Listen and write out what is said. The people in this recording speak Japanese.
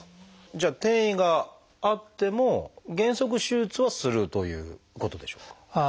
じゃあ転移があっても原則手術はするということでしょうか？